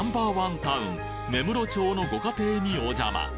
タウン芽室町のご家庭にお邪魔。